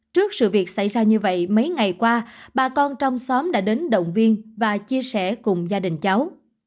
trước sự việc xảy ra như vậy mấy ngày qua bà con trong xóm đã đến động viên và chia sẻ cùng gia đình cháu